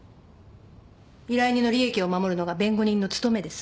依頼人の利益を守るのが弁護人の務めです。